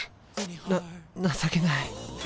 な情けない。